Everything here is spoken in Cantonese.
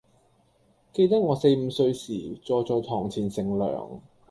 記得我四五歲時，坐在堂前乘涼，